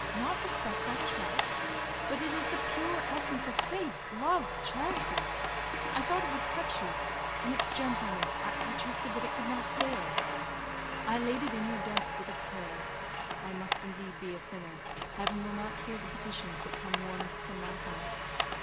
"Not respect that tract? But it is the pure essence of faith, love, charity! I thought it would touch you: in its gentleness, I trusted that it could not fail. I laid it in your desk with a prayer: I must indeed be a sinner: Heaven will not hear the petitions that come warmest from my heart.